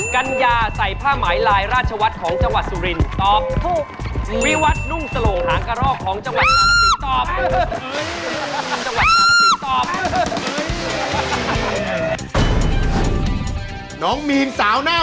นะคะถ้าพร้อมแล้วเปิดศึกวันส่งตัว